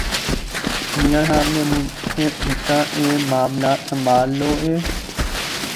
میاں صاحب نے مجھ سے پوچھا کہ معاملات سنبھال لو گے۔